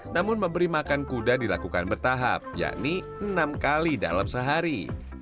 namun memberi makan kuda dilakukan bertahap yakni enam kali dalam sehari